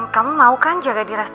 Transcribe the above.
kamu mau kan jaga di restoran